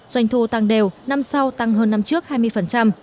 doanh thu tăng đều năm sau tăng hơn năm trước hai mươi